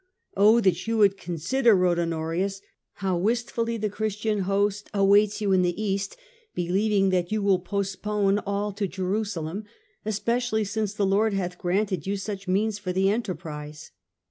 " O that you would consider," wrote Honorius, " how wistfully the Christian host awaits you in the East, believing that you will postpone all to Jerusalem, especially since the Lord hath granted you such means for the enterprise."